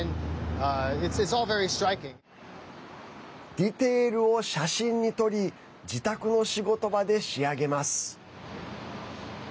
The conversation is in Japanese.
ディテールを写真に撮り自宅の仕事場で仕上げます。